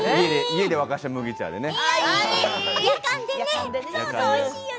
家で沸かした麦茶とかね。